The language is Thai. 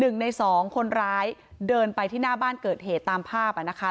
หนึ่งในสองคนร้ายเดินไปที่หน้าบ้านเกิดเหตุตามภาพอ่ะนะคะ